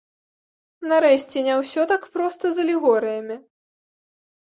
Нарэшце, не ўсё так проста з алегорыямі.